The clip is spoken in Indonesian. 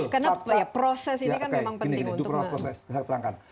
karena proses ini kan memang penting untuk